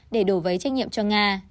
để đổ vấy trách nhiệm cho nga